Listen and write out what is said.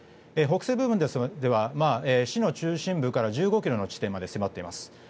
北西部分では市の中心部から１５ｋｍの地点まで迫っています。